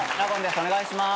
お願いします。